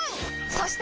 そして！